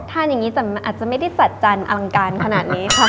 ทานอย่างนี้อาจจะไม่ได้สัจจันอลังการขนาดนี้ครับ